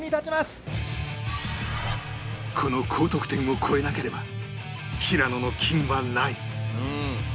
この高得点を超えなければ平野の金はない